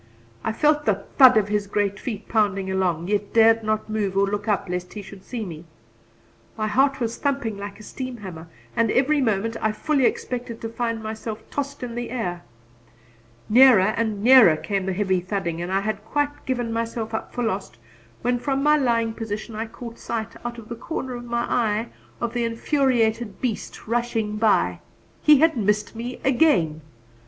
I felt the thud of his great feet pounding along, yet dared not move or look up lest he should see me. My heart was thumping like a steam hammer, and every moment I fully expected to find myself tossed into the air. Nearer and nearer came the heavy thudding and I had quite given myself up for lost, when from my lying position I caught sight, out of the corner of my eye, of the infuriated beast rushing by. He had missed me again!